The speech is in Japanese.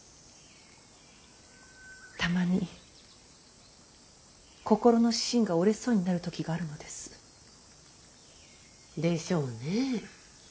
たまに心の芯が折れそうになる時があるのです。でしょうね。